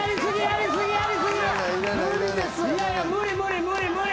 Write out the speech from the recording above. いやいや無理無理。